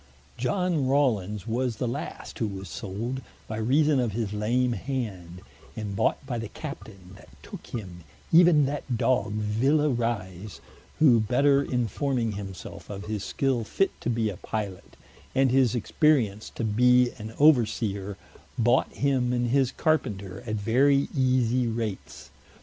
Iohn Rawlins was the last who was sold, by reason of his lame hand, and bought by the Captaine that tooke him, even that dog Villa Rise, who better informing himselfe of his skill fit to be a Pilot, and his experience to bee an over seer, bought him and his Carpenter at very easie rates.